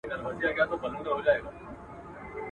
که همت وکړی نو ستاسي منت بار یو!